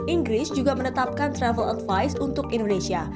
inggris juga menetapkan travel advice untuk indonesia